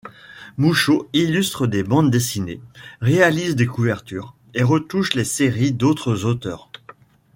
Mouchot illustre des bandes dessinées, réalise des couvertures, et retouche les séries d'autres auteurs.